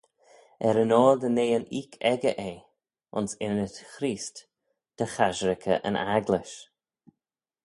Er-yn-oyr dy nee yn oik echey eh, ayns ynnyd Chreest, dy chasherickey yn agglish.